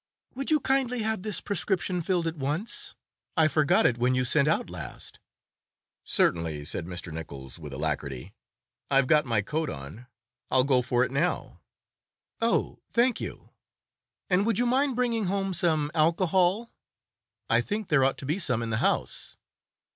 "Would you kindly have this prescription filled at once? I forgot it when you sent out last." "Certainly," said Mr. Nichols with alacrity. "I've got my coat on. I'll go for it now." "Oh, thank you! And would you mind bringing home some alcohol? I think there ought to be some in the house."